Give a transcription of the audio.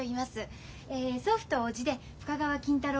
祖父と叔父で深川金太郎と銀次です。